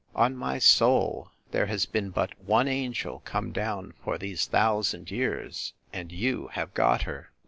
On my soul, there has been but one angel come down for these thousand years, and you have got her.